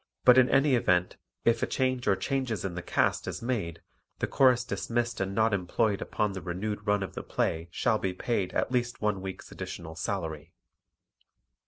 But in any event if a change or changes in the cast is made the Chorus dismissed and not employed upon the renewed run of the play shall be paid at least one week's additional salary.